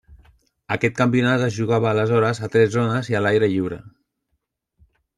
Aquest campionat es jugava aleshores a tres zones i a l'aire lliure.